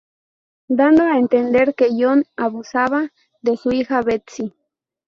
Dando a entender que John abusaba de su hija, Betsy.